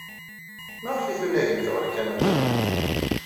Maɣef ay tunagemt ɣer Kanada?